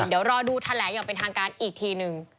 เดี๋ยวรอดูแถลงอย่างเป็นทางการอีกทีหนึ่ง